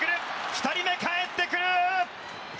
２人目、かえってくる！